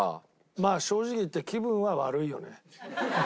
まあ正直言って気分は悪いよね。